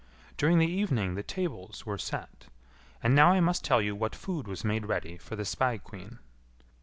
During the evening the tables were set; and now I must tell you what food was made ready for the spae queen.